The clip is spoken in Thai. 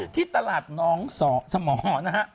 ที่ตลาดน้องสมนะฮะ